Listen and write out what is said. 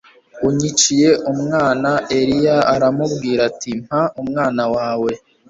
unyiciye umwana Eliya aramubwira ati Mpa umwana wawe